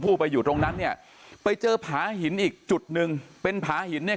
ไปอยู่ตรงนั้นเนี่ยไปเจอผาหินอีกจุดหนึ่งเป็นผาหินเนี่ย